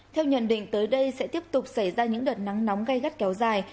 theo nhận định tới đây sẽ tiếp tục xảy ra những đợt nắng nóng gây gắt kéo dài